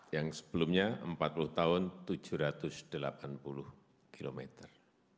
yang sebelumnya empat puluh tahun tujuh ratus delapan puluh kilometer